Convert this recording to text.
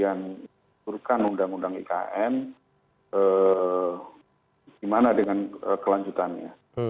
dan mengaturkan undang undang ikn gimana dengan kelanjutannya